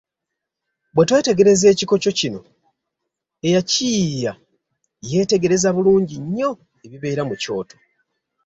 Bwe twetegereza ekikoco kino, eyakiyiiya yeetegereza bulungi nnyo ebibeera mu kyoto.